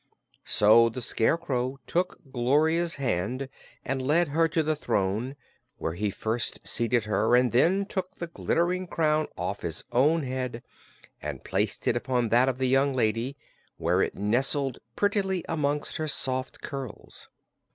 So the Scarecrow took Gloria's hand and led her to the throne, where he first seated her and then took the glittering crown off his own head and placed it upon that of the young lady, where it nestled prettily amongst her soft curls.